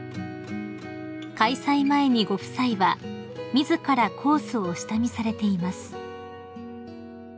［開催前にご夫妻は自らコースを下見されています］